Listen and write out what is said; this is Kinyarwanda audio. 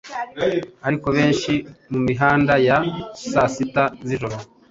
Ariko benshi, mumihanda ya saa sita z'ijoro